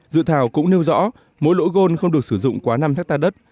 dự thảo cũng nêu rõ mỗi lỗ gold không được sử dụng quá năm ha đất